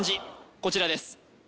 こちらです